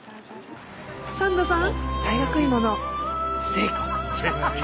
サンドさん！